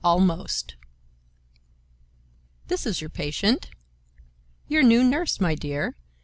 ALMOST "This is your patient. Your new nurse, my dear.